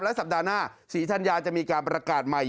สัปดาห์หน้าศรีธัญญาจะมีการประกาศใหม่